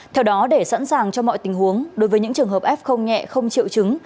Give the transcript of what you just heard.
theo đó để sẵn sàng cho mọi tình huống đối với những trường hợp f nhẹ không triệu chứng